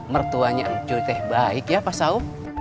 mertuanya ncuy teh baik ya pasau